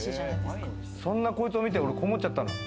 そんなこいつを見て、俺、こう思っちゃったの。